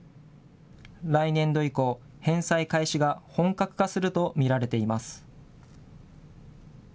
来年度以降、返済開始が本格化すると見られています。